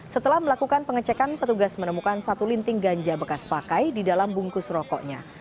setelah melakukan pengecekan petugas menemukan satu linting ganja bekas pakai di dalam bungkus rokoknya